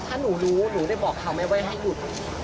ถ้าหนูรู้หนูได้บอกเขาไหมว่าให้หยุด